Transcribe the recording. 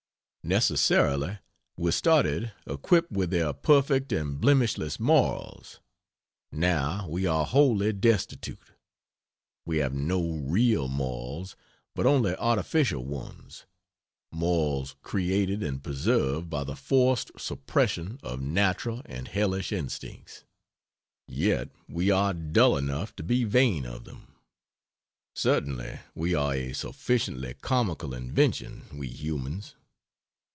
Necessarily we started equipped with their perfect and blemishless morals; now we are wholly destitute; we have no real, morals, but only artificial ones morals created and preserved by the forced suppression of natural and hellish instincts. Yet we are dull enough to be vain of them. Certainly we are a sufficiently comical invention, we humans.